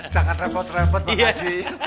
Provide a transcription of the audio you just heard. jangan repot repot pak haji